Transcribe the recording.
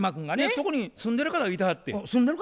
そこに住んでる方がいてはって。